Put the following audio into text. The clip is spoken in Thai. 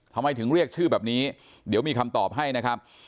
ทำไมถึงเรียกชื่อแบบนี้เดี๋ยวมีคำตอบให้นะครับ